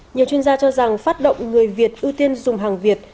nhiều chuyên gia cho rằng phát động người việt ưu tiên dùng hàng việt